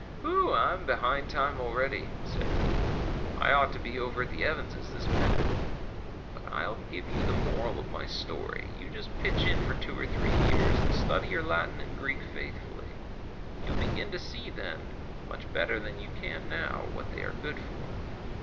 " Whew ! I'm behind time already," said he ;" I ought to he over at the Evans' this minute. But I'll give you the moral of my story : You just pitch in for twm or three years and study your Latin and Greek faithfully, and you'll begin to see then, much better than you can now, what they are good for.